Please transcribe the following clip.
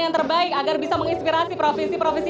yang terbaik agar bisa menginspirasi provinsi provinsi